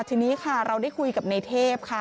ทีนี้ค่ะเราได้คุยกับในเทพค่ะ